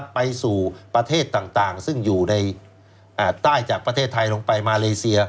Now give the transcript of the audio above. ไปสู่ประเทศต่างซึ่งอยู่ในใต้จากประเทศไทยลงไปมาเลเซีย